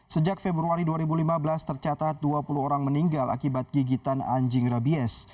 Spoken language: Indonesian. sejak februari dua ribu lima belas tercatat dua puluh orang meninggal akibat gigitan anjing rabies